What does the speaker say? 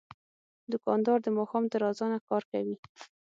دوکاندار د ماښام تر اذانه کار کوي.